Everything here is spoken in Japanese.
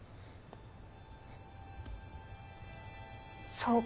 そうか。